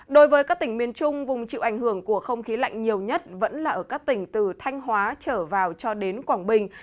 đối với các tỉnh miền trung vùng chịu ảnh hưởng của không khí lạnh nhiều nhất vẫn là ở các tỉnh từ thanh hóa trở vào cho đến quảng bình